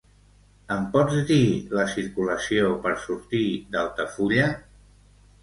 Em pots dir la circulació per sortir d'Altafulla?